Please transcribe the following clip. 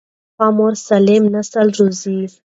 ښه مور سالم نسل روزي.